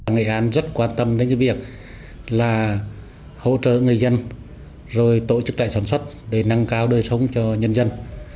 người an rất quan tâm đến việc hỗ trợ người dân tổ chức trại sản xuất để nâng cao đời sống cho nhân dân